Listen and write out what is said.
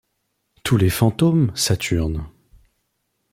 Tous les fantômes, Saturne